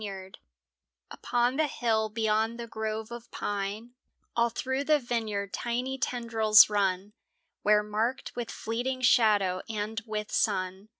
PON the hill beyond the grove of pine All through the vineyard tiny tendrils run, Where, marked with fleeting shadow and with sun.